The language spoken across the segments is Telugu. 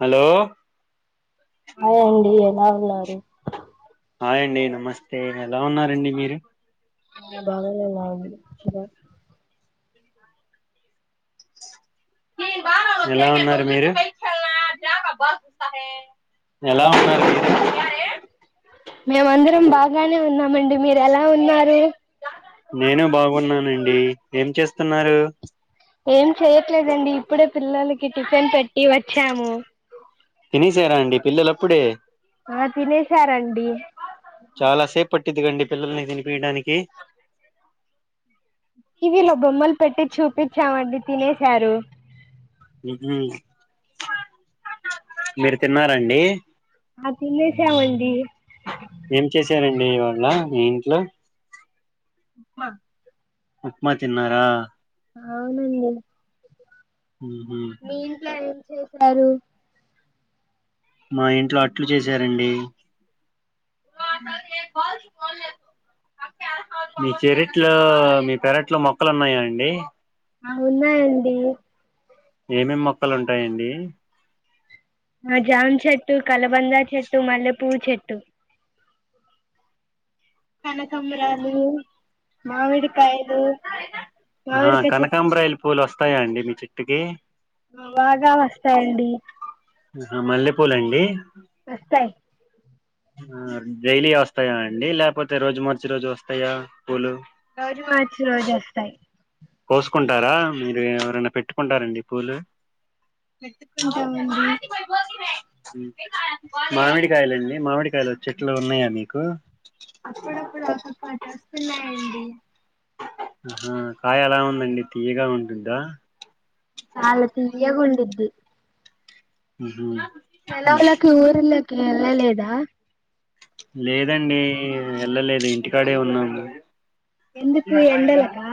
హలో హాయ్ అండీ ఎలా ఉన్నారు, హాయ్ అండీ నమస్తే ఎలా ఉన్నారండి మీరు నేను బాగానే [unintelligible] [unintelligible] ఎలా ఉన్నారు మీరు ఎలా ఉన్నారు మీరు మేము అందరం బాగానే ఉన్నామండి మీరు ఎలా ఉన్నారు, నేను బాగున్నానండి ఏం చేస్తున్నారు, ఏం చెయట్లేదండి ఇప్పుడే పిల్లలకి టిఫిన్ పెట్టి వచ్చాము, తినసారా అండి పిల్లలప్పుడే, ఆ తినేసారండి, చాలా సేపు పట్టిద్దికండి పిల్లల్ని తినిపియడానికి, టివిలో బొమ్మలు పెట్టి చూపించామండి తినేశారు, ఇజీ మీరు తిన్నారండి, ఆ తినేశామండి, ఏం చేసారండి ఇవాళ మీ ఇంట్లో, ఉప్మా ఉప్మా తిన్నారా అవునండి, ఉహు మీ ఇంట్లో ఏం చేసారు. మా ఇంట్లో అట్లు చేసారండి, ఉ మీ చెరట్లో మీ పెరట్లో మొక మొక్కలు ఉన్నాయా అండి, ఆ ఉన్నాయి అండీ ఉన్నాయండి ఏమేమి మొక్కలు ఉంటాయండి. జామా చెట్టు, కలబందా చెట్టు, మల్లె పువ్వు చెట్టు, కనకాంబరాలు, కనకంబరాలు మామిడికాయలు ఆ మామిడికాయ చెట్టు కనకాంబ్రాయిలు పువ్వులు వస్తాయా అండి మీ చెట్టుకి, బాగా వస్తాయండి, మల్లెపూలండి వస్తాయి. డైలీ వస్తాయా అండి లేకపోతే రోజు మార్చి రోజు వస్తాయా, పువ్వులు రోజు మర్చి రోజు వస్తాయి, కోసుకుంటారా మీరు ఏ ఏమైనా పెట్టుకుంటారండి పువ్వులు, తింటామండి మామిడికాయలుండి మామిడికాయలు చెట్లు ఉన్నాయా మీకు, అప్పుడప్పుడు అ పాట వస్తున్నాయండి ఆహా కాయ ఎలా ఉందండి తీయగా ఉంటుందా నళ తీయ గుండిద్ది మ్హ్ సెలవుుకి ఊర్లాకి ఎల్ల లేదా లేదండి ఎళ్ళలేదు ఇంటికాడే ఉన్నాము ఎందుకు ఎండలకా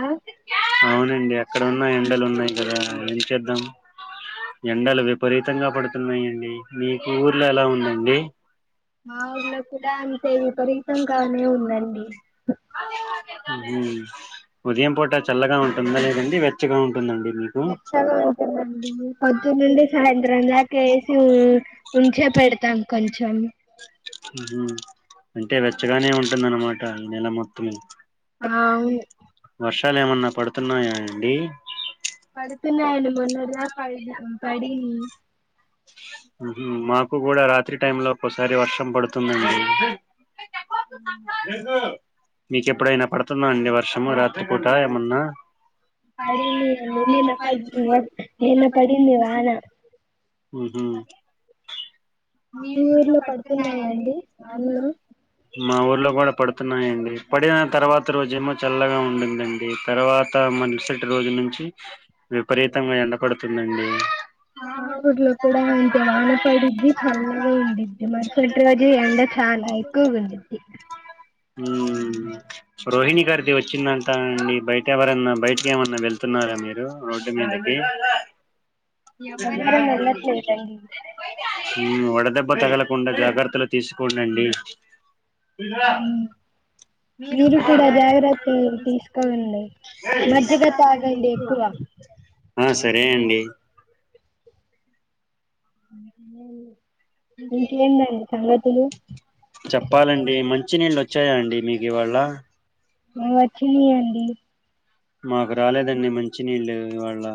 అవునండి అక్కడ ఉన్నా ఎండలు ఉన్నాయి కదా ఏంచేద్దాం ఎండలు విపరీత తంగా పడుతున్నాయండి మీకు ఊర్లో ఎలా ఉందండి [unintelligible] మా ఊర్లో కూడా అంతే విపరీతంగానే ఉందండి మ్ ఉదయం పూట చల్లగా ఉంటుందా లేదండి వెచ్చగా ఉంటుందండి మీకు వచ్చగా ఉంటుందండి పొద్దున్నుండి సాయం త్రం దాక ఏసి ఉంచే పెడతాం కొంచెం ఉహు. అంటే వెచ్చగానే ఉంటుందనమాట నెల మొత్తం ఆ అవును వర్షాల్ ఏమన్నా పడుతున్నాయా అండి పడుతున్నాయండి మొన్నడ్దాక పడింది మ్హ్ మాకు కూడా రాత్రి టై లో ఒక్కోసారి వర్షం పడుతుందండి మీకెప్పుడైనా పడుతుందా అండి వర్షము రాత్రిపూట ఏమన్నా మళ్ళీ పడింది అండి మళ్ళీ నిన్న పడి నిన్న పడింది మ్హ్ మీ ఊర్లో పడుతున్నాయాండి వానలు మా ఊర్లో గూడా పడుతున్నాయండి పడిన తర్వాత రోజేమొ చల్లగా ఉ ఉండుందండి తర్వాత మరుసటి రోజు నుంచి విపరీతంగా ఎండపడుతుందండి ఆ ఊర్లో గూడా అంతే వాన పడది చల్లగా ఉండిద్ది మరుసటి రోజు ఎండొచ్చ్ చాల ఎక్కువగుండిద్ది మ్ రోహిణీ గారి టి వచ్చిందంట అండి బయట ఎవరన్నా బయటకి ఏమన్నా వెళ్తున్నారా మీరు రోడ్డు మీదకి ఎవ్వరం వెళ్ళట్లేదండి వడదెబ్బ తగలకుండా జాగ్రత్తలు తీసుకోడండి మీరు కూడా జాగ్రత్తలు తీసుకోండి మజ్జిగ తాగండి ఎక్కువ ఆ సరే అండి ఇంకేందండి సంగతులు చెప్పాలండి మంచినీళ్ళు వచ్చాయా అండి మీకు ఇవాళ వచ్చినియ్ మాకు రాలేదండి మంచి నీళ్ళు ఇవాళ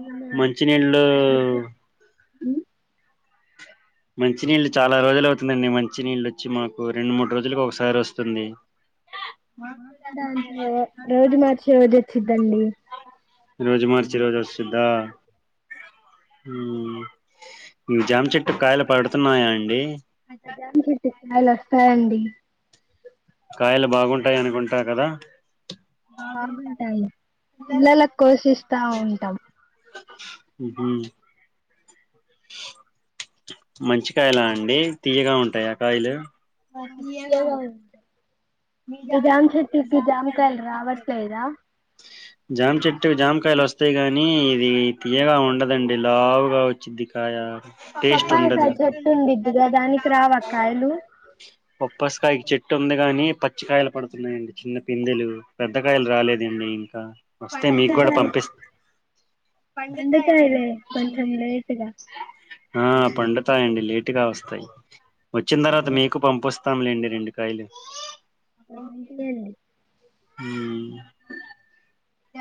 అవునా మంచినీళ్ళు మ్? మంచినీళ్ళు చాలా రోజులు అవుతుందిండి మంచి నీళ్ళు ఒచ్చి మాకు రెండు మూడు రోజులుకి ఒకసారి ఒస్తుంది అంతొ రోజు మార్చి రొజ్ ఒచ్చద్దండి రోజు మార్చి రోజు ఒస్తుద్దా మ్ జాం చెట్టు కాయలు పడుతున్నాయా అండి ఖజాన్ చెట్టు కాయలు వస్తాయండి కాయలు బాగుంటాయి అనుకుంటా కదా బాగుంటాయండి పిల్లల కోషిస్తా ఉంటాం మ్హ్ మంచి కాయలా అండి తీయగా ఉంటయా కాయలు మాకియ్యల తీయగా ఉంటాయి మీ జామచెట్టుకి జామకాయలు రావట్లేదా జామ చెట్టు జామకాయలు వస్తాయి గానీ ఇది తీయగా ఉండదండి లావుగా వచ్చిది కాయ టేస్ట్ పప్పాయి కా ఉండదు చెట్టుంది ఇద్దిగా దానికి రావక్కా యలు బప్పసకాయకి చెట్టు ఉంది గాని పచ్చి పచ్చికాయలు పడుతున్నాయండి చిన్న పిందెలు పెద్దకాయలు రాలేదండి ఇంకా వస్తే మీకు కూడా పండుతాయి పంపిస్త ఆ పండుతాయండి పండుతాయిలే కొంచెం లేటుగా ఆ పండుతాయండి లేటుగా వస్తాయి వచ్చిన తర్వాత మీకు పంపిస్తాంలేండి రెండు కాయలు [inaudible] ఉమ్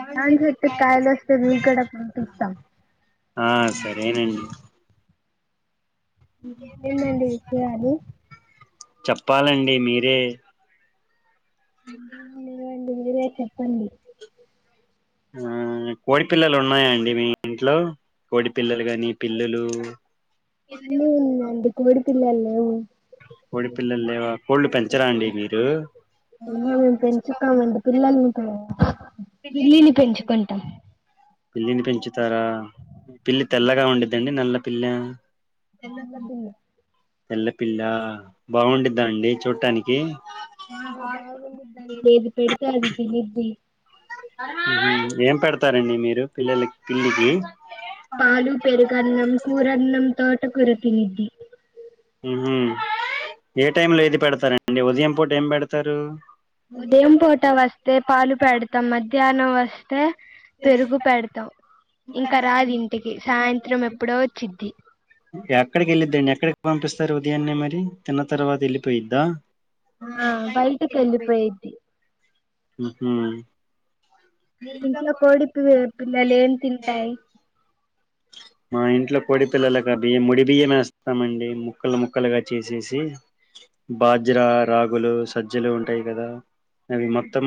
జామ చెట్టు కాయలు వస్తే మీ కూడా పంపిస్తాం ఆ సరేనండి ఏంటండి విషయాలు చెప్పాలండి మీరే [unintelligible] మీరే చెప్పండి ఆ కోడి పిల్లలు ఉన్నాయా అండి మీ ఇంట్లో కోడి పిల్లలు గాని పి పిల్లలు ఉన్నాయండీ అంటే కోడిపిల్లలు లేవు కోడి పిల్లలు లేవా కోళ్ళు పెంచరా అండి మీరు ఏమో మేము పెంచుతామండి పిల్లల మీ కూడా పిల్లులు పెంచుకుంటాం పిల్లిని పెంచుతారా పిల్లి తెల్లగా ఉండిద్దండి నల్ల పిల్లా తెల్ల పిల్లి తెల్లపిల్లా బాగుండిద్దా అండి చూడటానికి ఆ బాగుండిద్దండి ఏది పెడతే అది తినిద్ది ఏం పెడతారండి మీరు పిల్లల పిల్లికి పాలు పెరుగన్నం కూరన్నం తోట కూర తినిద్ది ఉమ్ ఏ టైమ్ లో ఏది పెడతారండి ఉదయం పూట ఏం పెడతారు ఉదయం పూట వస్తే పాలు పెడతాం మధ్యాహ్నం వస్తే పెరుగు పెడతాం ఇంకా రాదు ఇంటికి సాయంత్రం ఎప్పుడో వచ్చిద్ది ఎక్కడికి వెళ్ళిద్దండి ఎక్కడికి పంపిస్తారు ఉదయాన్నే మరి తిన్న తర్వాత వెళ్ళిపోయిద్దా ఆ బయటికి వెళ్ళిపోయిద్ది ఉ హు ఇంట్లో కోడిపి పిల్లలుఏం తింటాయి మా ఇంట్లో కోడి పిల్లలకు బియ్యం ముడి బియ్యం వేస్తామండి ముక్కలు ముక్కలుగా చేసేసి బాజ్రా రాగులు సజ్జలు ఉంటాయి కదా అవి మొత్తం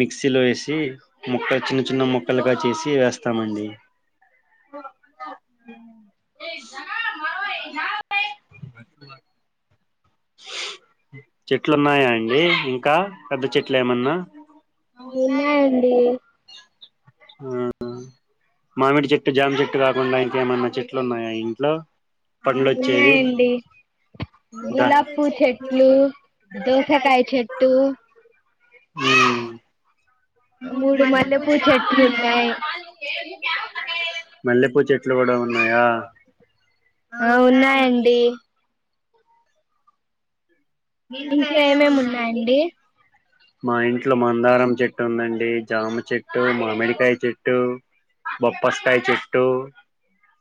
మిక్సీలో వేసి ముక్క చిన్న చిన్న ముక్కలుగా చేసి వేస్తామండి అ చెట్లు ఉన్నాయా అండి ఇంకా పెద్ద చెట్ల ఏమన్నా ఉన్నాయండీ ఉన్నాయండి ఆహ్ మామిడి చెట్టు జామి చెట్టు కాకుండా ఇంకా ఏమన్నా చెట్లు ఉన్నాయా ఇంట్లో అ పండ్లు వచ్చేవి ఉన్నాయండి దా గులాబ్ పూ చెట్లు దోసాకాయ్ చెట్టు హ్మ్మ్ మూడు మల్లెపూ చెట్లున్నాయి మల్లెపూ చెట్లు కూడా ఉన్నాయా ఆ ఉన్నాయండి మీ ఇంట్లో ఏమేమి ఉన్నాయండీ మా ఇంట్లో మందారం చెట్టు ఉందండి జామ చెట్టు మామిడికాయ చెట్టు బప్పస్తాయి చెట్టు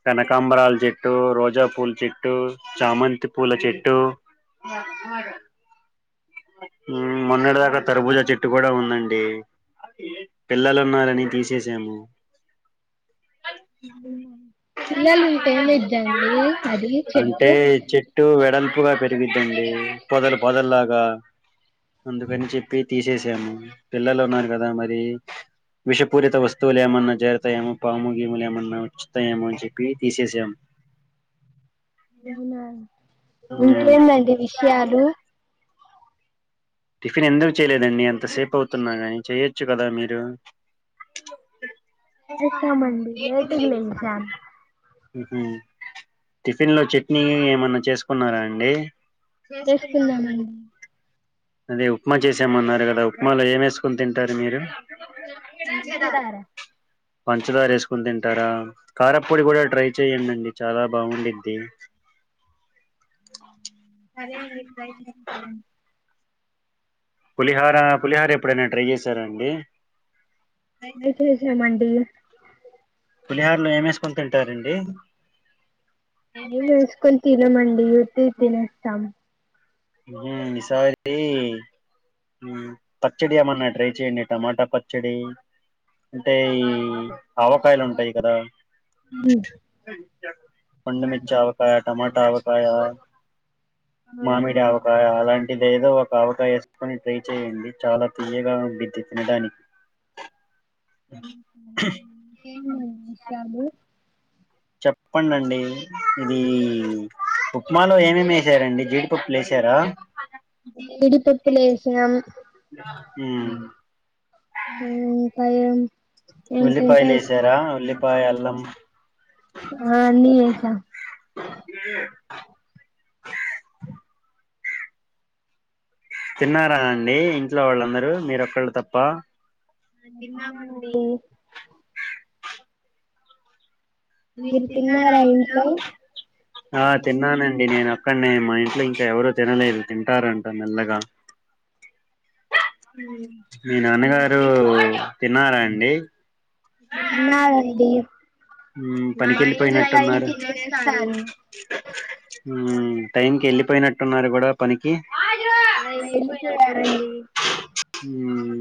కనకాంబరాల చెట్టు రోజా పూల చెట్టు చామంతి పూల చెట్టు బ మగ మొన్నటి దాకా తరబుజా చెట్టు కూడా ఉందండి పిల్లలు ఉన్నారని తీసేసాము పిల్లలు ఉంటే ఏమిద్దండి అది అంటే చెట్టు చెట్టు వెడల్పుగా పెరిగిద్దండి పొదలు పొదల్లాగా అందుకని చెప్పి తీ చేసాము పిల్లలు ఉన్నారు కదా మరి విషపూరిత వస్తువులు ఏమన్నా జేరుతాయేమో పాముగీములు ఏమన్నా వచ్చుతా ఏమో అని చెప్పి తీసేసాము అవునా ఇంకేందండి మ్మ్ విషయాలు టిఫిన్ ఎందుకు చేయలేదండి అంతసేపు అవుతున్నా కాని చేయొచ్చు కదా మీరు చేస్తామండి లేటుగా లేసాం టిఫిన్ లో చట్నీ ఏమన్నా చేసుకున్నారా అండి చేసుకుంనామండి అదే ఉప్మా చేసామన్నారు కదా ఉప్మాలో ఏం వేసుకుని తింటారు మీరు అంతేరారా పంచదారేసుకుని తింటారా కారపొడి కూడా ట్రై చెయ్యండండి చాలా బాగుండిద్ది పులిహార పులిహార ఎప్పుడైనా ట్రై చేశారాండి చేసేశామండి పులిహార్లు ఏమేసుకొని తింటారండి మేం వేసుకొని తినమండి ఉత్తివి తినేస్తాం ఉ నిసారి పచ్చడి ఏమన్నా ట్రై చెయండి టమాటా పచ్చడి అంటే ఈ ఆవకాయలు ఉంటాయి కదా పండుమిర్చ ఆవకాయ టమాటా ఆవకాయ ఆ అ ఒక అలాంటిది ఏదో ఒ కావటా వేసుకొని ట్రై చేయండి చాలా తీయగా ఉండిద్ది తినడానికి షబు చెప్పడిండి ఇది ఉప్మాలో ఏమేమి వసారండి జీడి పప్పులు వేశారా జీడిపప్పులు లేసాం హు అ పైరు ఉల్లిపాయలు ఏంటింటై వేసారా ఉల్లిపాయ అల్లం ఆన్నిసా తిన్నారా అండి ఇంట్లో వాళ్ళందరూ మీరొక్కళ్ళు తప్ప తినం అండి తిన్నామండి మీరు తిన్నారా ఇంట్లో ఆ తిన్నానండి నేను ఒక్కడ్నే మా ఇంట్లో ఇంకా ఎవరు తినలేదు తింటారం నల్లగా మ్ మీ నాన్నగారు తిన్నారా అండి తినరు అండి ఉమ్ పనికి వెళ్ళిపోయినట్టున్నారు తినేస్తారు ఉమ్ టైం కి వెళ్ళిపోయినట్టున్నారు కూడా పనికి [inaudible] ఆ వెళ్ళిపోయారండి ఉమ్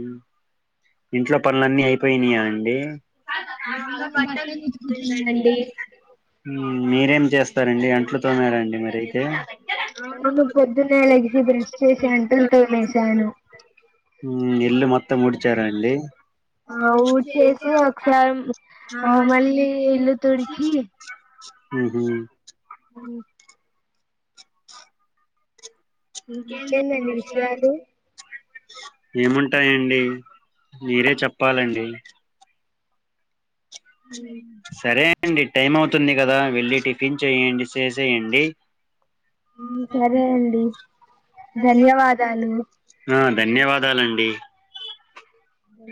ఇంట్లో పనులన్నీ అయిపోయినీయా అండి మా అమ్మ బట్టలు [unintelligible] ఉతుకుతుందండి ఉ మీరేం చేస్తారండి అంట్లు తొమారండి మరయితే అవును పొద్దున్నే లెగిసి బ్రష్ చేసి అంట్లు లేచాను. తోమేశాను ఉమ్ ఇల్లు మొత్తం ఉడిచారా అండి ఆ ఊడ్చేసి ఒకసారి మళ్ళీ ఈ ఇల్లు తుడిచి ఉహు మ్ ఇంకేమండి విషయాలు ఏముంటాయండి మీరే చెప్పాలండి ఉమ్ సరే అండి టైం అవు తుంది కదా వెళ్ళి టిఫిన్ చేయండి సేసేయండి సరే అండి ధన్యవాదాలు ఆ ధన్యవాదాలండి ఆ